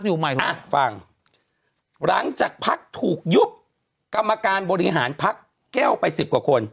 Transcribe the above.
อ่ะฟังหลังจากพักถูกยุบกรรมการบริหารพักแก้วไปสิบกว่าคน